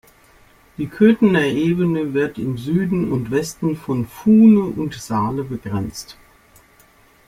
Die Köthener Ebene wird im Süden und Westen von Fuhne und Saale begrenzt.